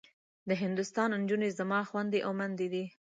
د هندوستان نجونې زما خوندي او مندي دي.